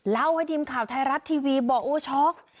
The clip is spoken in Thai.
เล่าให้ทีมข่าวไทยรัฐทีวีบอกโอ้ช็อก